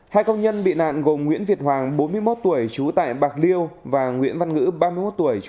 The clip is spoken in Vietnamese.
hai công nhân bị nạn gồm nguyễn việt hoàng bốn mươi một tuổi trú tại bạc liêu và nguyễn văn ngữ ba mươi một tuổi trú tại bạc liêu